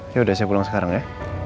yaudah saya pulang sekarang ya